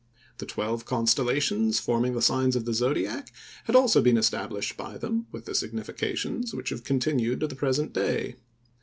The twelve constellations forming the signs of the zodiac had also been established by them, with the significations which have continued to the present day.